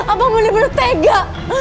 abang bener bener tega